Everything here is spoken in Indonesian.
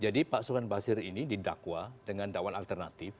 jadi pak sofian basir ini didakwa dengan dakwa alternatif